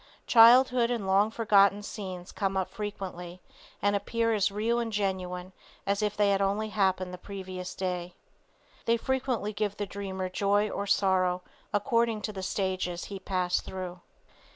Childhood and long forgotten scenes come up frequently and appear as real and genuine as if they had only happened the previous day. They frequently give the dreamer joy or sorrow, according to the stages he passed through.